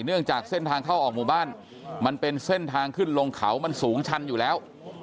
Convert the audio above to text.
เนื่องจากเส้นทางเข้าออกหมู่บ้านมันเป็นเส้นทางขึ้นลงเขามันสูงชันอยู่แล้ว